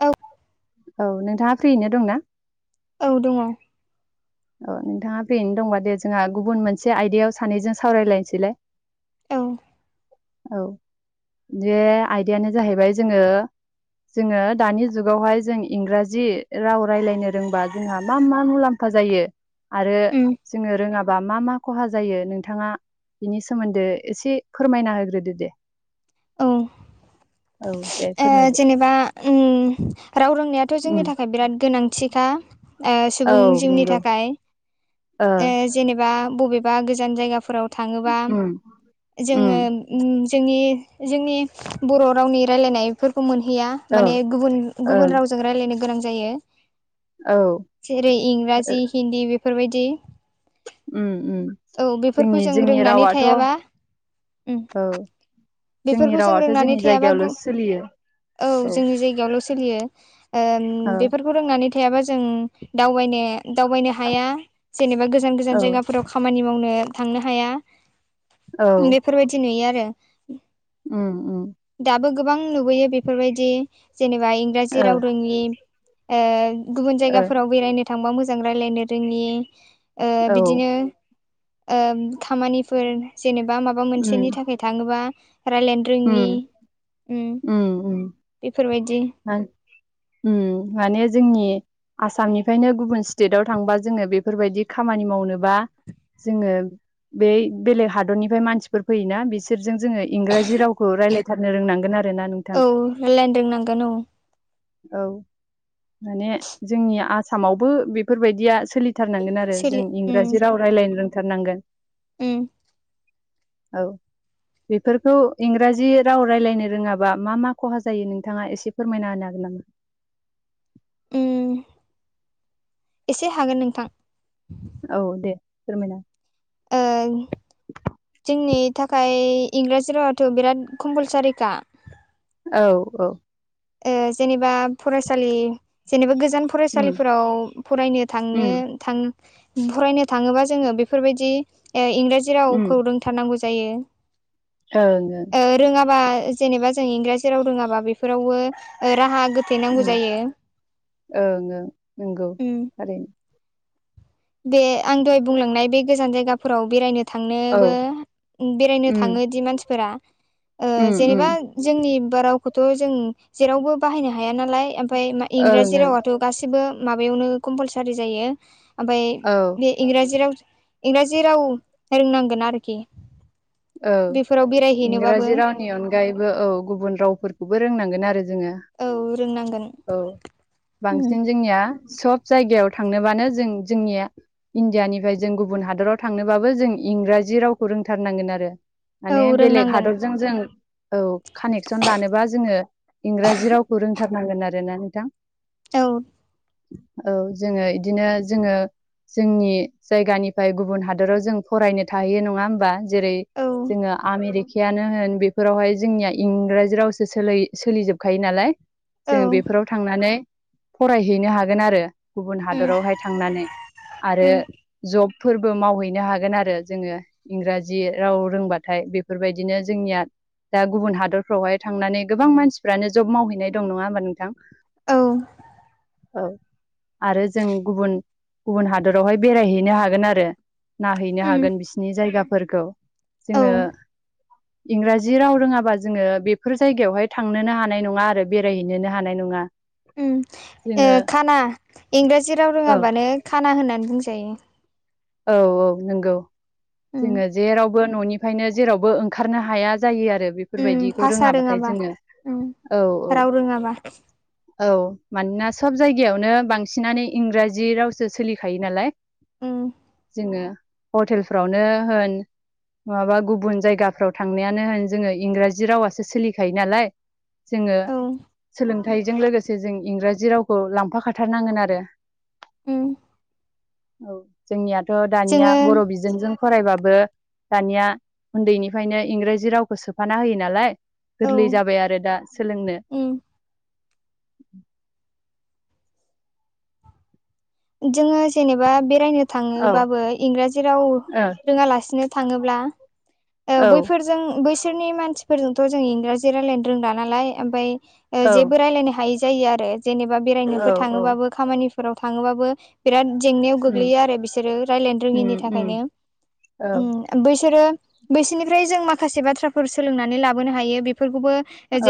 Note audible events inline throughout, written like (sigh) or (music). औ औ नोंथाङा फ्रियैनो दं ना? औ दङ औ नोंथाङा फैनो दंबा दे जोंहा गुबुन मोनसे आयदायाव सानैजों सावरायलायनोसैलाय। औ औ बे आयदायानो जाहैबाय जोङो जोङो दानि जुगावहाय जों इंराजि राव रायज्लायनो रोंबा जोंहा मा मा मुलाम फा जायो आरो जोङो रोङाबा मा मा खहा जायो नोंथाङा बिनि सोमोन्दै एसे फोरमायना होग्रोदो दे। औ औ दे ए फोरमायदो जेनेबा उम राव रोंनायाथ' उम जोंनि थाखाय बिराद गोनांथिखा। ओ औ सुबुं जिउनि नंगौ थाखाय ओ जेनेबा बबेबा गोजान जायगाफोराव थाङोबा उम जोङो। उम ओम जोंनि जोंनि बर' रावनि रायलायनायफोरखौ मोनहैया। औ माने गुबुन ओं गुबुन रावजों रायजलायनो गोनां जायो। औ जेरै इंराजि हिन्दी बेफोरबायदि। उम उम औ बेफोरखौ जोंनि जों जोंनि रोंनानै रावाथ' थायाबा (inaudible) ओम औ जोंनि बेफोरखौ जों रावाथ' रोंनानै जोंनि थायाबा गु- जायगायावल' सोलियो (inaudible) औ जोंनि जायगायावल' सो लियो ओम ओ बेफोर रोंनानै थायाबा जों दावबायनो दावबायनो हाया जेनेबा गोजान औ गोजान जायगाफोराव खामानि मावनो थांनो हाया औ बेफोरबायदि नुयो आरो। उम उम दाबो गोबां नुबोयो बेफोरबायदि जेनेबा ओ इंराजि राव रोङि। ओ गुबुन ओ जायगाफोराव बेरायनो थांबा मोजां रायजलायनो रोङि ओ औ बिदिनो ओ खामानिफोर जेनेबा माबा उम मोनसेनि थाखाय थाङोबा राय्लायनो रोङि उम (inaudible) उम बेफोरबायदि उम माने जोंनि आसामनिफ्रायनो गुबुन स्टेटआव थांबा जोङो बेफोरबायदि खामानि मावनोबा। जोङो बे बेलेग हादरनिफ्राय मानसिफोर फैयोना बिस सोर जोङो इंराजि रावखौाय्लायथारनो रोंनांगोन आरो ना नों औ लाइन रोंनांगोन औ। औ, माने जोंनि आसामावबो बेफोरबायदिया सोलि थारनांगोन आरो सोलि जों उम इंराजि राव रायज्लायनो रोंथारनांगोन। उम औ, बेफोरखौ इंराजि राव रायज्लायनो रोङाबा मा मा खहा जायो नोंथाङा एसे फोरमायना होनोागोन नामा? (inaudible) एसे हागोन नोंथां औ दे फोरमायना ओं जोंनि थाखाय इंराजि रावाथ' बिराद कम्पालसारिखा। औ औ ओ जेनेबा फरायसालि जेनेबा गोजान उम फरायसालिफोराव फरायनो थांनो उम थां फरायनो थाङोबा जोङो बेफोरबायदि ओ इंराजि उम रावखौ रोंथारनांगौ जायो ओं ओं रोङाबा जेनेबा जों इंराजि राव रोङाबा बेफोरावबो राहा गोथै नांगौ उम जायो। ओं ओं नंगौ उम थारैनो बे आं दहाय बुंलांनाय बे गोजान जायगाफोराव बेरायनो औ थांनोबो बेरायनो उम थाङोदि मानसिफोरा ओ उम उम जेनेबा जोंनि बोरावखौथ' जों जेरावबो बाहायनो हाया नालाय ओमफाय मा ओं इंराजि ओं रावाथ' गासिबो माबायावनो कमपालसारि जायो ओमफाय औ बे इंराजि राव इंराजि राव रोंनांगोन आरोखि औ बेफोराव बेरायहैनोबाबो इंराजि रावनि अनगायैबो औ गुबुन रावफोरखौबो रोंनांगोन आरो जोङो औ रोंनांगोन औ बांसिन जोंनिया सब जायगायाव थांनोबानो जों जोंनिया इण्डियानिफ्राय जों गुबुन हादराव थांनोबाबो जों इंराजि रावखौ रोंथारनांगोन आरो औ माने बेलेग रोंनांगोन हादरजों जों औ कानेक्सन लानोबा जोङो इंराजि रावखौ रोंथारनांगोन आरोना नोंथां औ औ जोङो इदिनो जोङो जोंनि जायगानिफ्राय गुबुन हादराव जों फरायनो थाहैयो नङा होमबा जेरै औ जोङो आमेरिक खायानो होन बेफोरावहाय जोंनिया इंराजि रावसो सोलै सोलिजोबखायो नालाय जोङो बेफोराव थांनानै फरायहैनो हागोन आरो गुबुन हादरावहाय थांनानै आरो जब फोरबो मावहैनो हागोन आरो जोङो इंराजि राव रोंबाथाय बेफोरबायदिनो जोंनिया दा गुबुन हादरफ्रावहाय थांनानै गोबां मानसिफ्रानो जब मावहैनाय दं नङा होमबा नोंथां औ औ आरो जों गुबुन गुबुन हादरावहाय बेरायहैनो हागोन आरो नायहैनो औ हागोन बिसिनि जायगाफोरखौ जोङो औ इंराजि राव रोङाबा जोङो बेफोर जायगायावहाय थांनोनो हानाय नङा आरो बेरायहैनोनो हानाय नङा उम ओ जोङो खाना इंराजि राव औ रोङाबानो खाना होननानै बुंजायो औ औ नंगौ जोङो जेराव बो न'निफ्रायनो जेरावबो ओंखारनो हाया जायो आरो बे फोरबायदिखौ भाषा रोङाब्लाथाय रोङाबा जोङो औ औ राव रोङाबा औ मानोना सब जायगायावनो बांसिनानो इंराजि रावसो सोलिखायो नालाय उम जोङो हटेलफ्रावनो होन माबा गुबुन जायगाफ्राव थांनायानो होन जोङो इंराजि रावासो सोलिखायो नालाय जोङो औ सोलों थायजों लोगोसे जों इंराजि रावखौ लांफाखाथारनांगोन आरो उम औ जोंनियाथ' दानिया जोङो बर' बिजोंजों फरायबाबो दानिया उन्दैनिफ्रायनो इंराजि रावखौ सोफाना होयो नालाय औ गोरलै जाबाय आरो दा सोलोंनो उम जोङो जेनेबा बेरायनो औ थाङोबाबो इंराजि राव औ रोङालासिनो थाङोब्ला ओ बैफोर जों बैसोरनि मानसिफोरजोंथ' जों इंराजि रायलायनो रोंला नालाय ओमफाय ए औ जेबो रायलायनो हायै जायो आरो जेनेबा औ बेरायनोफोर औ थाङोबाबो खामानिफोराव थाङोबाबो बिराद जेंनायाव उम गोग्लैयो आरो बिसोरो रायलायनो उम रोङिनि उम थाखायनो औ ओम बैसोरो बैसिनिफ्राय जों माखासे बाथ्राफोर सोलोंनानै लाबोनो हायो बेफोरखौबो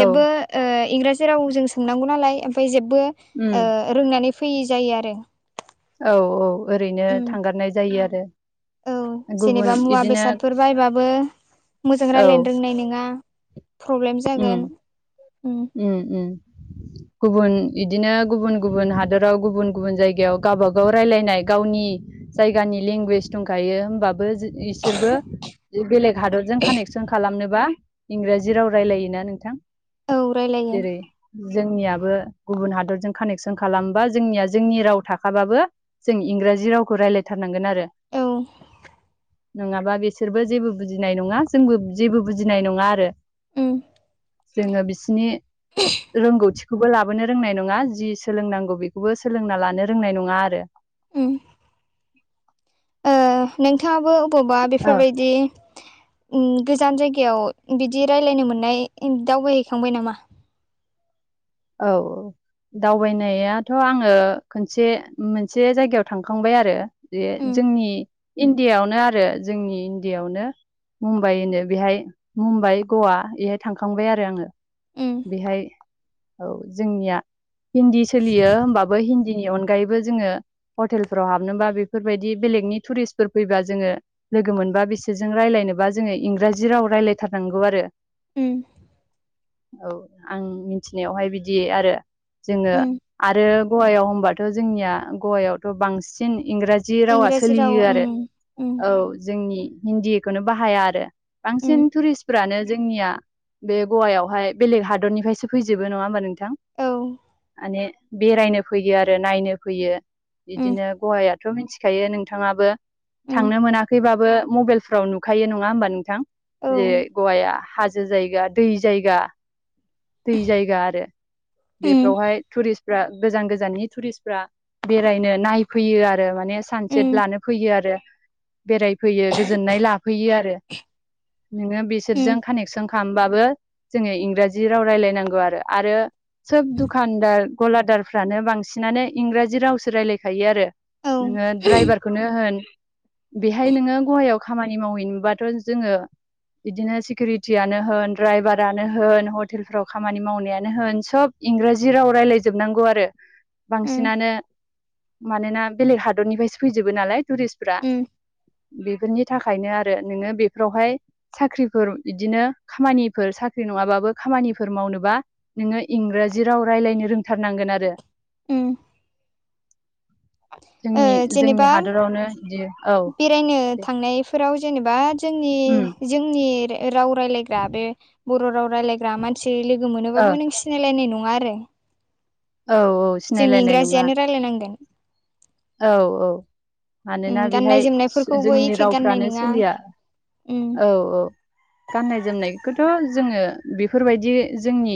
औ ओ इंराजि राव जों सोंनांगौ नालाय ओमफाय जेबो उम ओ रोंनानै फैयि जायो आरो औ औ ओरैनो उम थांगारनाय जायो आरो औ गुबुन जेनेबा मुवा इदिनो बेसादफोर बायबाबो मोजां औ रायलायनो रोंनाय नङा प्रब्लेम उम जागोन उम उम उम गुबुन इदिनो गुबुन गुबुन हादराव गुबुन गुबुन जायगायाव गावबागाव रायज्लायनाय गावनि जायगानि लेंगुवेज दंखायो होमबाबो इसोरबो बेलेग हादरजों कानेक्सन खालामनोबा इंराजि राव रायलायो ना नोंथां? औ रायलायो जेरै जोंनियाबो गुबुन हादरजों कानेक्सन खालामबा जोंनिया जोंनि राव थाखाबाबो जों इंराजि रावखौ रायलायथारनांगोन आरो औ (inaudible) नङाबा बेसोरबो जेबो बुजिनाय नङा जोंबो जेबो बुजिनाय नङा आरो ओम जोङो बिसिनि रोंगौथिखौबो लाबोनो रोंनाय नङा जि सोलोंनांगौ बेखौबो सोलोंना लानो रोंनाय नङा आरो ओम ओ नोंथाङाबो अबावबा औ बेफोरबायदि ओम गोजान जायगायाव बिदि रायलायनो मोननाय दावबायहैखांबाय नामा? औ औ दावबायनायाथ' आङो खोनसे मोनसे जायगायाव थांखांबाय आरो बे उम जोंनि इण्डियायावनो आरो जोंनि इण्डियायावनो मुम्बाइ होनो बेहाय मुम्बाइ गवा इहाय थांखांबाय आरो आङो उम बेहाय औ जोंनिया हिन्दी सोलियो होमबाबो हिन्दीनि अनगायैबो जोङो हटेलफोराव हाबनोबा बेफोरबायदि बेलेगनि टुरिस्टफोर फैबा जोङो लोगो मोनबा बिसोरजों रायलायनोबा जोङो इंराजि राव रायलायथारनांगौ आरो उ औ आं मिथिनायावहाय बिदि आरो जोङो उम आरो गवायाव होबाथ' जोंनिया गवायावथ' बांसिन इंराजि जि रावा इंराजि राव सोलियो उम आरो उम औ जोंनि हिन्दीखौनो बाहाया आरो उम बांसिन टुरिस्टफ्रानो जोंनिया बे गवायावहाय बेलेग हादरनिफ्रायसो फैजोबो नङा हबा नोंथां? औ माने बेरायनो फैयो आरो नायनो फैयो उम बिदिनो गवाया थ' मिन्थिखायो नोंथाङाबो उम थांनो मोनाखैबाबो मबाइलफ्राव नुखायो नङा होमबा नोंथां? औ जेरै गवाया हाजो जायगा दै जायगा दै जायगा आरो उम बेफ्रावहाय टुरिस्टफ्रा गोजान गोजाननि टुरिस्ट फ्रा बेरायनो नायफैयो आरो मान ने उम सानसेट लानो फैयो आरो बेरायफैयो गोजोननाय लाफैयो आरो नोङो उम बिसोरजों कानेकसन खामबाबो जोङो इंराजि राव रायलायनांगौ आरो आरो सोब दुखानदार गलादारफ्रानो बांसिनानो इंराजि रावसो रायलायखायो आरो औ नोङो द्राइभार खौनो होन बेहाय नोङो गहायाव खामानि मावहैनोबाथ' जोङो इदिनो सिकिउरिटियानो होन ड्राइभारानो होन हट टेलफ्राव खामानि मावनायानो होन सब इंराजि राव रायलायजोबनांगौ आरो उम बांसिनानो मानोना बेलेग हादरनिफायसो फैजोबो नालाय टुरिस्टफ्रा उम बेफोरनि थाखायनो आरो नोङो बेफ्रावहाय साख्रिफोर इदिनो खामानिफोर साख्रि नङाबाबो खामानिफोर मावनोबा नोङो इंराजि राव रायज्लायनो रोंथारनांगोन आरो। उम। (inaudible) ओ जोंनि जेनेबा हादरावनो बिदि औ बेरायनो दे थांनायफोराव जेनेबा जोंनि। उम जोंनि राव रायलायग्रा बे बर' राव रायलायग्रा मानसि लोगो ओ मोनोबाबो नोंसि सिनायलायनाय नङा आरो। औ औ। जों सिनायलायनाय नङा इंराजियानो रायलायनांदों औ औ। उम मानोना गाननाय बेहाय जोमनायफोरखौबो जोंनि एखे गाननाय रावफ्रानो नङा सोलिया उम औ औ। गाननाय जोमनायखौथ' जोङो बेफोरबायदि जोंनि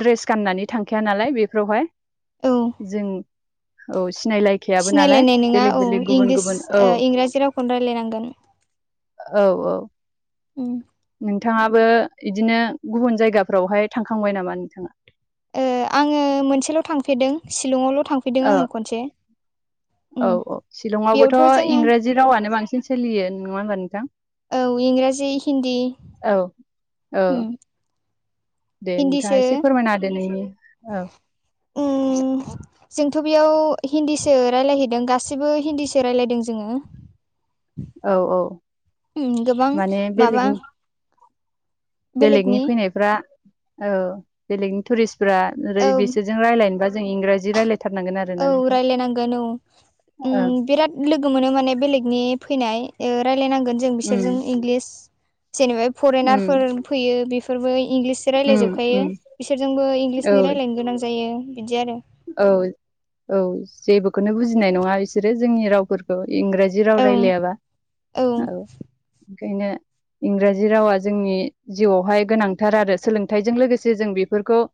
ड्रेस गाननानै थांखि। गैाया नालाय बेफोरावहाय औ जों औ सिनायलाय। सिनायलायनाय नङा औ इंलिस औ इंराजि रावखौनो रायलायनांगोन। औ औ। उम। नोंथाङाबो बिदिनो गुबुन जायगाफ्रावहाय थांखांबाय नामा नोंथाङा? ओ आङो मोनसेल' थांफेरदों शलंआवल' थांफ ओ उम औ औ शलंआवबोथ' बेयावथ' जोङो इ‌ंराजि जि रावानो बांसिन सोलियो नङा हबा नोंथां औ इंराजि हिन्दी औ औ दे हिन्दीसो नोंथाङा एसे फोरमायना दि नैनि औ। उम ओउ जोंथ' बेयाव हिन्दीसो रायलायहैदों गासिबो हिन्दीसो राय्लायदों जोङो। औ औ। गोबां माने बेलेग माबा। बेलेगनि फैनायफ्रा औ बेलेगनि टुरिस्टफ्रा ओरै औ बिसोर -ज रायलायनोबा जों इंराजि रायलायथारनांगोन आरो। औ रायलायनांगोन औ ओं बिराद लोगो मोनो माने बेलेगनि फैनाय रायजलायनांगोन जों उम बिसोरजों इंलिस। जेनेबा उम फरेनारफोर फैयो बेफोरबो इंलिस। बिोर उम उम राय्लायजोबखायो बिसोरजोंबो औ इंलिसनि रायजलायनो गोनां जायो बिदि आरो। औ औ जेबोखौनो बुजिनाय नङा बिसोरो जोंनि रावफोरखौ इंराजि ज राव औ रायजलायाबा औ ओंखायनो इंराजि रावा जोंनि जिउआवहाय गोनांथार आरो सोलोंथाइजों लोगोसे जों बेफोरखौ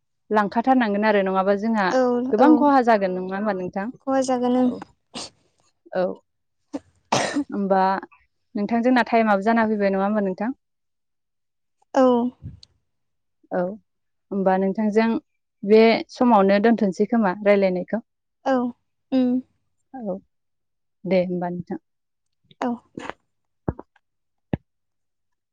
लांखाथारनांगोन आरो नङाबा जोंहा औ गोबां औ खहा जागोन नङा होमबा नोंथां खहा जागोन औ औ। होमबा नोंथांजोंना टाइमाबो जाना फैबाय नङा होमबा नोंथां? औ औ होमबा नोंथांजों बे समावनो दोनथ'सै। मोनसै खोमा रायज्लायनायखौ। औ। उम औ दे होमबा नोंथां? औ।